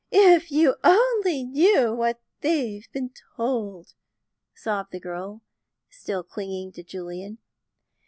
"If you only knew what they've been told!" sobbed the girl, still clinging to Julian.